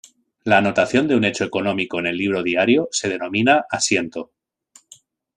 La anotación de un hecho económico en el libro diario se denomina "asiento".